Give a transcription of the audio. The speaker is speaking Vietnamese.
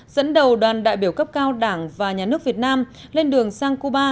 dẫn đầu đoàn đại biểu cấp cao đảng và nhà nước việt nam lên đường sang cuba